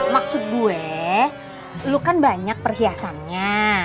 maksud gue lu kan banyak perhiasannya